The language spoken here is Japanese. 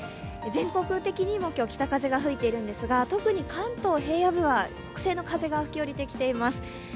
全国的にも今日、北風が吹いているんですが特に関東平野部は北西の風が吹き下りてきています。